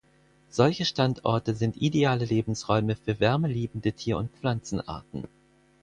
Solche Standorte sind ideale Lebensräume für wärmeliebende Tier- und Pflanzenarten.